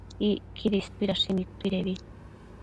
Icquidi istuidashi nidtuidebi